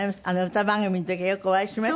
歌番組の時はよくお会いしましたね。